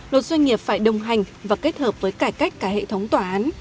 luật doanh nghiệp phải đồng hành và kết hợp với cải cách cả hệ thống tòa án